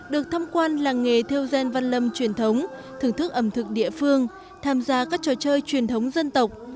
được thăm quan làng nghề theo gen văn lâm truyền thống thưởng thức ẩm thực địa phương tham gia các trò chơi truyền thống dân tộc